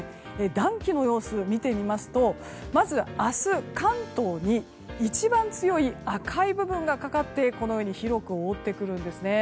暖気の様子を見てみますとまず明日、関東に一番強い赤い部分がかかってこのように広く覆ってくるんですね。